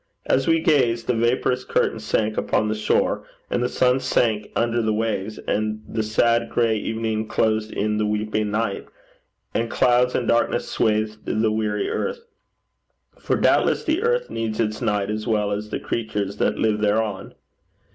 As we gazed, the vaporous curtain sank upon the shore, and the sun sank under the waves, and the sad gray evening closed in the weeping night, and clouds and darkness swathed the weary earth. For doubtless the earth needs its night as well as the creatures that live thereon.